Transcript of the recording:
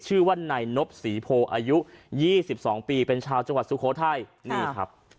ชื่อว่านายนบศรีโพอายุ๒๒ปีเป็นชาวจังหวัดสุโขทัยนี่ครับ